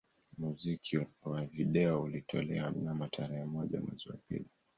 Muziki wa video ulitolewa mnamo tarehe moja mwezi wa pili